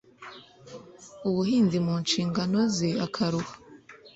ubuhinzi mu nshingano ze akaruha